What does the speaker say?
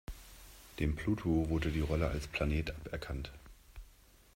Dem Pluto wurde die Rolle als Planet aberkannt.